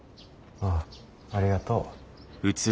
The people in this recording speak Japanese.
ああありがとう。